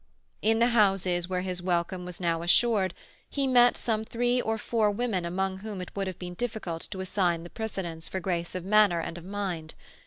In the houses where his welcome was now assured he met some three or four women among whom it would have been difficult to assign the precedence for grace of manner and of mind.